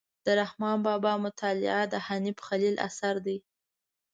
د رحمان بابا مطالعه د حنیف خلیل اثر دی.